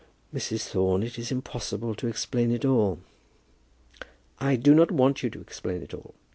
"Mrs. Thorne, it is impossible to explain it all." "I do not want you to explain it all.